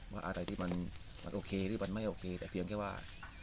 ว่าอะไรที่มันโอเคหรือมันไม่โอเคแต่เพียงแค่ว่า